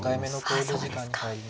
あそうですか。